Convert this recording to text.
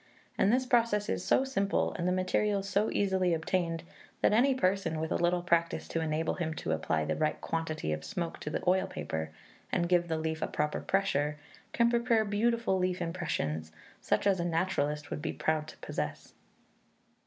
And this process is so simple, and the materials so easily obtained, that any person, with a little practice to enable him to apply the right quantity of smoke to the oil paper, and give the leaf a proper pressure, can prepare beautiful leaf impressions, such as a naturalist would be proud to possess.